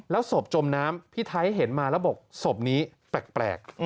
ศพจมน้ำพี่ไทยเห็นมาแล้วบอกศพนี้แปลก